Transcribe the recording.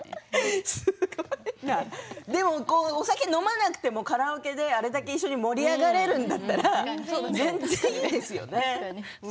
お酒を飲まなくてもカラオケであれだけ一緒に盛り上がれるんだったら全然いいですよね。